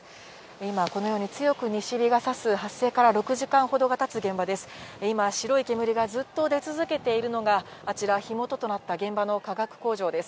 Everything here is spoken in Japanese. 今、このように強く西日がさす、発生から６時間ほどが経つ現場です。